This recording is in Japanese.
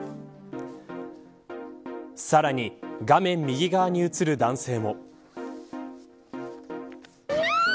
さらに、画面右側に映る男性も。